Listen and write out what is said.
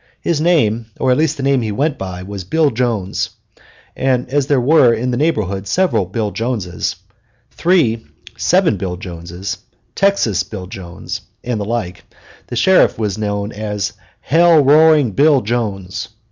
His name, or at least the name he went by, was Bill Jones, and as there were in the neighborhood several Bill Joneses Three Seven Bill Jones, Texas Bill Jones, and the like the sheriff was known as Hell Roaring Bill Jones.